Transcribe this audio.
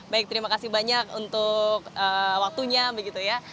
baik terima kasih banyak untuk waktunya begitu ya